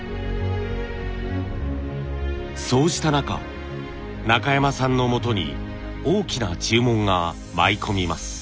そうした中中山さんのもとに大きな注文が舞い込みます。